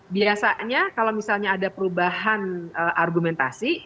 biasanya kalau misalnya ada perubahan argumentasi